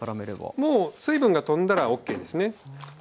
もう水分がとんだらＯＫですね。